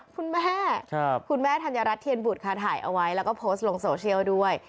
คุณแม่คุณแม่ธัญรัฐเทียนบุตรค่ะถ่ายเอาไว้แล้วก็โพสต์ลงโซเชียลด้วย